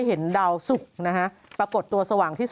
ขนเขาก็แบบว่า